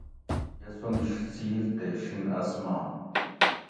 یسون سیر تے شِن آسمان